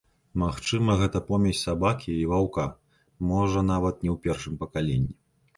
Магчыма, гэта помесь сабакі і ваўка, можа, нават не ў першым пакаленні.